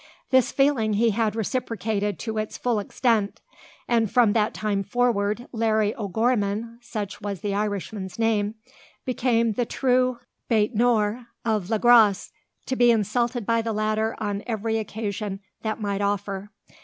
This feeling he had reciprocated to its full extent; and from that time forward Larry O'Gorman such was the Irishman's name became the true bete noir of Le Gros, to be insulted by the latter on every occasion that might offer.